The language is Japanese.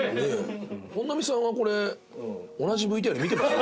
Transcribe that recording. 本並さんはこれ同じＶＴＲ見てますよね？